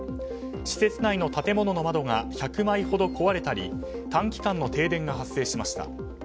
施設内の建物の窓が１００枚ほど壊れたり短期間の停電が発生しました。